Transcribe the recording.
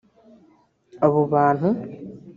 Abo bantu